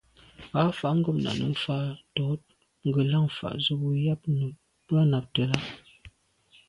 Rǎfàá’ ngômnâ’ nû fâ’ tɔ̌ ngə̀lâŋ fǎ zə̄ bū jâ nàptə́ lá.